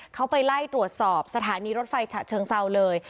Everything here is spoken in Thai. เขาไปไล่ตรวจสอบสถานีรถไฟฉะเชิงเซาเลย